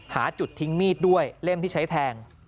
หาจุดทิ้งมีดด้วยเล่มที่ใช้แทง